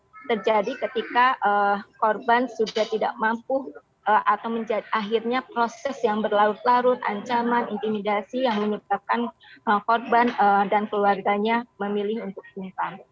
itu terjadi ketika korban sudah tidak mampu atau akhirnya proses yang berlarut larut ancaman intimidasi yang menyebabkan korban dan keluarganya memilih untuk pingsan